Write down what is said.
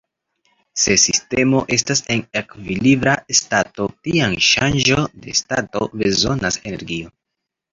Se sistemo estas en ekvilibra stato tiam ŝanĝo de stato bezonas energio.